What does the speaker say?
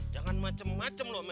jangan macem macem lo